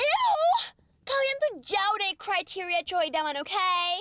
eww kalian tuh jauh dari kriteria cowok idaman oke